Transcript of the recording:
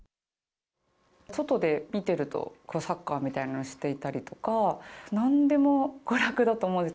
外で見てるとサッカーみたいなのしていたりとか、なんでも娯楽だと思える。